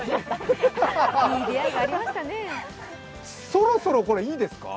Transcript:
そろそろ、これいいですか？